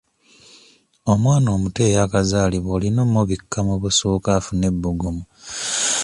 Omwana omuto eyakazaalibwa olina omubikka mu busuuka afune ebbugumu.